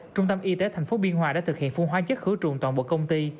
trung tâm y tế tp biên hòa đã thực hiện phun hoá chất khứa trùn toàn bộ công ty